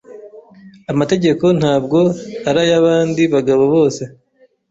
amategeko ntabwo arayabandi bagabo bose